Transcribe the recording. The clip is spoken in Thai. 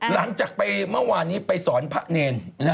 หลังจากไปเมื่อวานนี้ไปสอนพระเนร